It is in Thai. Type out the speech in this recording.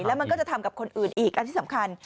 แล้วมันก็จะทำกับคนอื่นอีกอันที่สำคัญ